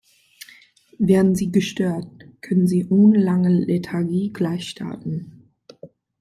Werden sie gestört, können sie ohne lange Lethargie gleich starten.